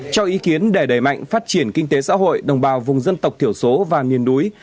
cho ý kiến để đẩy mạnh phát triển kinh tế xã hội đồng bào vùng dân tộc thiểu số và miền núi